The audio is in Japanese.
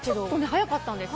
早かったんです。